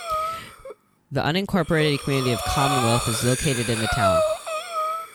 The unincorporated community of Commonwealth is located in the town.